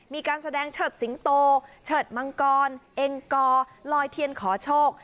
มีการแสดงเฉิดสิงโตเฉิดมังกรเอ็งกอลอยเทียนขอโชค